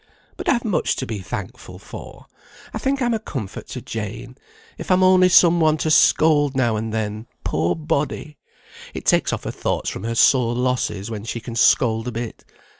But I've much to be thankful for. I think I'm a comfort to Jane, if I'm only some one to scold now and then; poor body! It takes off her thoughts from her sore losses when she can scold a bit.